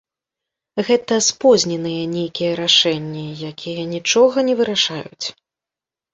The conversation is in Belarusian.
Гэта спозненыя нейкія рашэнні, якія нічога не вырашаюць.